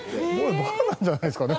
バカなんじゃないですかね？